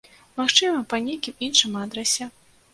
Магчыма, па нейкім іншым адрасе.